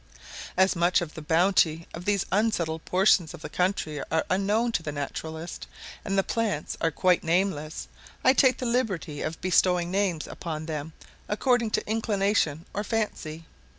As much of the botany of these unsettled portions of the country are unknown to the naturalist, and the plants are quite nameless, I take the liberty of bestowing names upon them according to inclination or fancy.